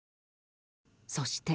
そして。